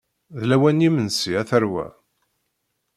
D lawan n yimensi, a tarwa.